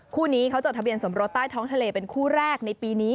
คู่นี้เขาจดทะเบียนสมรสใต้ท้องทะเลเป็นคู่แรกในปีนี้